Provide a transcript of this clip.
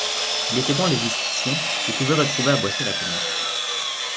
Il était bon logisticien et pouvait retrouver à bosser rapidement.